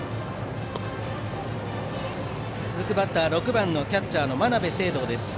続くバッターは６番キャッチャーの真鍋成憧です。